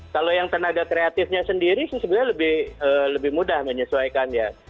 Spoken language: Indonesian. kalau yang tenaga kreatifnya sendiri sih sebenarnya lebih mudah menyesuaikan ya